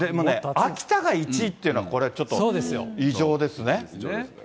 秋田が１位っていうのはこれちょっと、異常ですね。